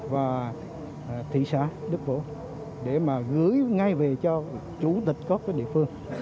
và thị xã đức vũ để mà gửi ngay về cho chủ tịch có cái địa phương